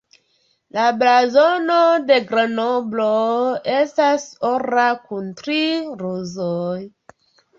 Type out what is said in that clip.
La blazono de Grenoblo estas ora kun tri rozoj.